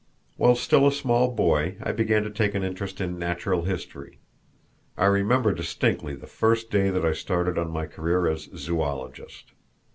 While still a small boy I began to take an interest in natural history. I remember distinctly the first day that I started on my career as zoologist.